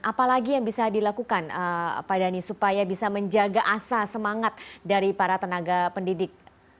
apalagi yang bisa dilakukan pak dhani supaya bisa menjaga asa semangat dari para tenaga pendidik